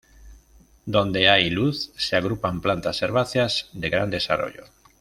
Donde hay luz se agrupan plantas herbáceas de gran desarrollo.